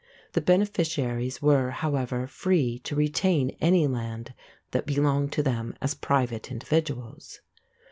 The beneficiaries were, however, free to retain any land that belonged to them as private individuals.